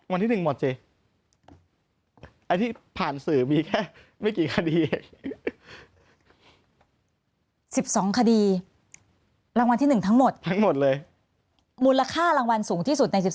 วันที่๑มีแค่ไม่กี่คดี๑๒คดีทั้งหมดคุณราคารางวัลสูงที่สุดใน๑๒